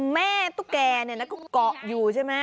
แม่ตุ๊กแก่เนี่ยก็เกาะอยู่ใช่ไหม